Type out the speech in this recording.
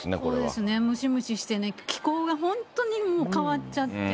そうですね、ムシムシしてね、気候が本当にもう変わっちゃって。